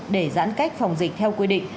để giãn cách phòng dịch theo quy định